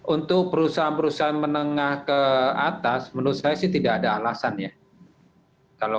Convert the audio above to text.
untuk perusahaan perusahaan menengah ke atas menurut saya sih tidak ada alasan ya